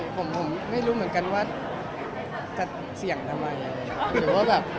ผมไม่รู้เหมือนกันว่าจะเสี่ยงทำงาน